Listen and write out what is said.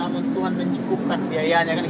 namun tuhan mencukupkan biayanya kan